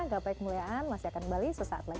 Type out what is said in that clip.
gapai kemuliaan masih akan kembali sesaat lagi